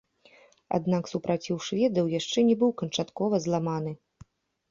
Аднак супраціў шведаў яшчэ не быў канчаткова зламаны.